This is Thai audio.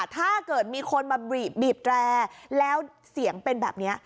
ถ้าเกิดมีคนมาบีบแตรแล้วเสียงเป็นแบบนี้